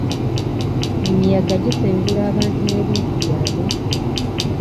Emiyaga gisengula abantu n'ebintu byabwe.